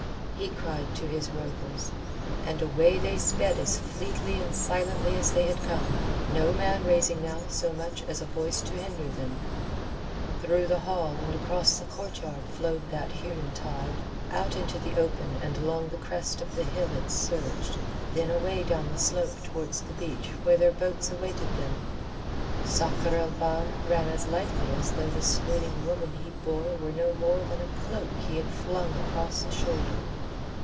he cried to his rovers, and away they sped as fleetly and silently as they had come, no man raising now so much as a voice to hinder them. Through the hall and across the courtyard flowed that human tide; out into the open and along the crest of the hill it surged, then away down the slope towards the beach where their boats awaited them. Sakr el Bahr ran as lightly as though the swooning woman he bore were no more than a cloak he had flung across his shoulder.